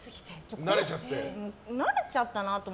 慣れちゃったなって。